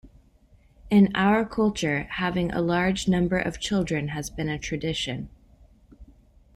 In our culture, having a large number of children has been a tradition.